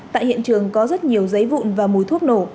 tại hiện trường có rất nhiều giấy vụn và mùi thuốc nổ